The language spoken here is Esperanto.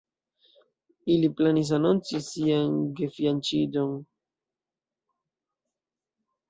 Ili planis anonci sian gefianĉiĝon.